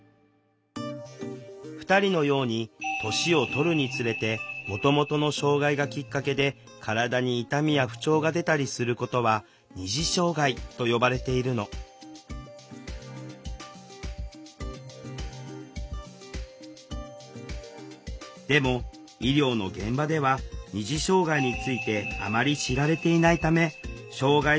２人のように年をとるにつれてもともとの障害がきっかけで体に痛みや不調が出たりすることは「二次障害」と呼ばれているのでも医療の現場ではって言われたんですよ。